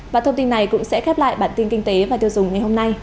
và thông tin này cũng sẽ khép lại bản tin kinh tế và tiêu dùng ngày hôm nay